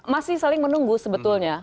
masih saling menunggu sebetulnya